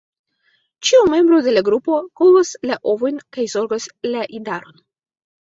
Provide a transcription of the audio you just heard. Ĉiu membro de la grupo kovas la ovojn kaj zorgas la idaron.